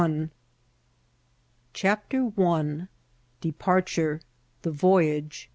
CHAPTER I. Departora.— The Voyage.